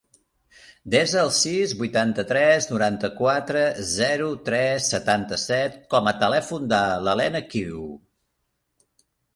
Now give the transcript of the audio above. Desa el sis, vuitanta-tres, noranta-quatre, zero, tres, setanta-set com a telèfon de l'Elena Qiu.